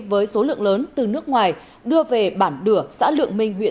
với số lượng lớn từ nước ngoài đưa về bản đửa xã lượng minh